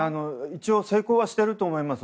一応、成功はしていると思います。